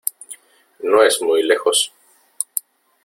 No es muy lejos.